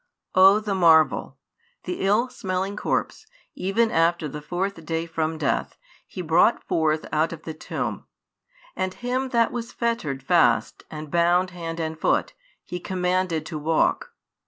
O the marvel! the ill smelling corpse, even after the fourth day from death, He brought forth out of the tomb; and him that was fettered fast and bound hand and foot, He commanded to walk!